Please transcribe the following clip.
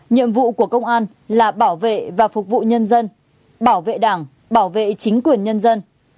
nhiệm vụ của công an là bảo vệ và phục vụ nhân dân bảo vệ đảng bảo vệ chính quyền nhân dân